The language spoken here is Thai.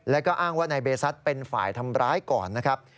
แล้วก็อ้างว่านายเบซัสเป็นฝ่ายทำร้ายก่อนนะครับ